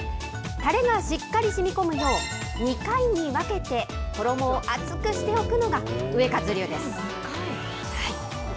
たれがしっかりしみこむよう、２回に分けて衣を厚くしておくのがウエカツ流です。